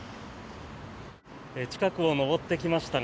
近くを上ってきましたが